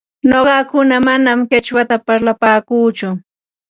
Nuqaku manam qichwata parlapaakuuchu,